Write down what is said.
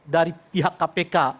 dari pihak kpk